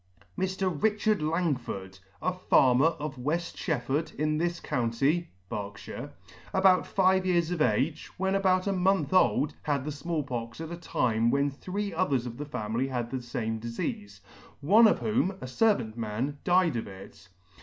Mr. RICHARD LANGFORD, a farmer of Weft Shef ford, in this county, (Berks,) about fifty years of age, when about a month old had the Small Pox at a time when three others of the family had the fame difeafe, one of whom, a fervant man, died of it.